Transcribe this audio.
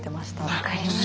分かります。